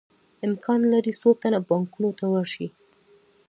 امکان لري څو تنه بانکونو ته ورشي